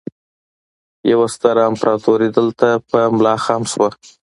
يوه ستره امپراتورۍ دلته په ملا خم شوه